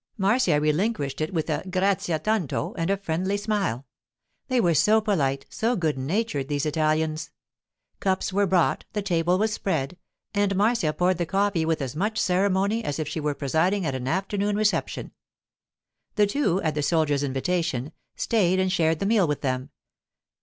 Marcia relinquished it with a 'Grazia tanto' and a friendly smile. They were so polite, so good natured, these Italians! Cups were brought, the table was spread, and Marcia poured the coffee with as much ceremony as if she were presiding at an afternoon reception. The two, at the soldiers' invitation, stayed and shared the meal with them.